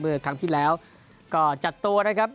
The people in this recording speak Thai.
เมื่อครั้งที่แล้วก็จัดตัวนะครับ